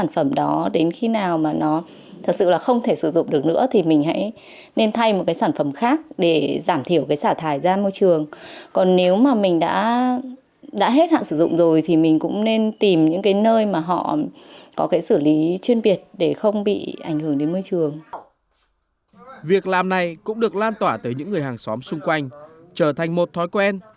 việc làm này cũng được lan tỏa tới những người hàng xóm xung quanh trở thành một thói quen